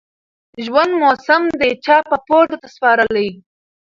ژوند موسم دى چا په پور درته سپارلى